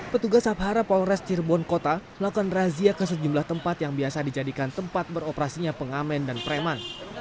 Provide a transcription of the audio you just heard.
petugas sabhara polres cirebon kota melakukan razia ke sejumlah tempat yang biasa dijadikan tempat beroperasinya pengamen dan preman